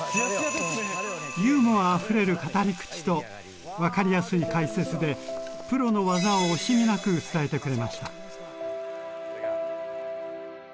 ユーモアあふれる語り口と分かりやすい解説でプロの技を惜しみなく伝えてくれました。